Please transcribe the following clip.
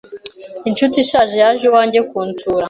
Inshuti ishaje yaje iwanjye kunsura.